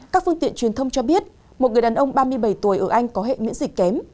các phương tiện truyền thông cho biết một người đàn ông ba mươi bảy tuổi ở anh có hệ miễn dịch kém